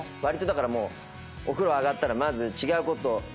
わりとだからお風呂上がったらまず違うことを。